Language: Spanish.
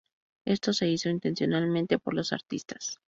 Esto se hizo intencionalmente por los artistas.